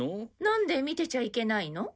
なんで見てちゃいけないの？